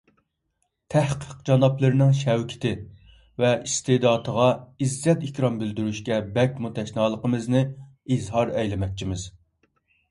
تەھقىق جانابلىرىنىڭ شەۋكىتى ۋە ئىستېداتىغا ئىززەت - ئىكرام بىلدۈرۈشكە بەكمۇ تەشنالىقىمىزنى ئىزھار ئەيلىمەكچىمىز.